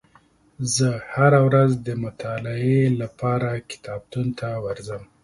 زه هره ورځ د مطالعې لپاره کتابتون ته ورځم.